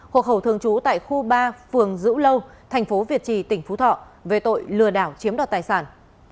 hộ khẩu thường trú tại khu ba phường dữ lâu thành phố việt trì tỉnh phú thọ về tội lừa đảo chiếm đoạt tài sản